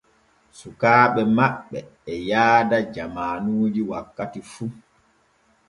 Sukaaɓe maɓɓe e yaada jamaanuji wakkati fu.